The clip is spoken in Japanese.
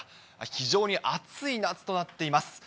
非常に暑い夏となっています。